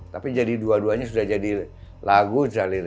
tapi dua duanya sudah jadi lagu